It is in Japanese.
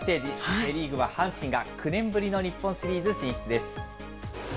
セ・リーグは阪神が９年ぶりの日本シリーズ進出です。